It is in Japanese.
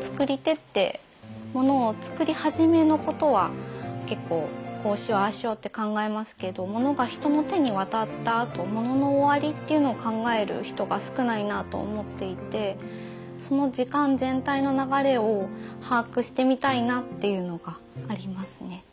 作り手ってものを作り始めのことは結構こうしようああしようって考えますけどものが人の手に渡ったあとものの終わりっていうのを考える人が少ないなと思っていてその時間全体の流れを把握してみたいなっていうのがありますね。